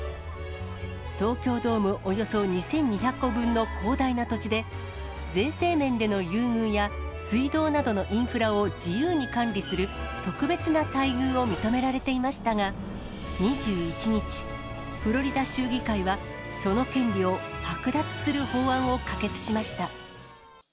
東京ドームおよそ２２００個分の広大な土地で、税制面での優遇や、水道などのインフラを自由に管理する特別な待遇を認められていましたが、２１日、フロリダ州議会はその権利を剥奪する法案を可決しました。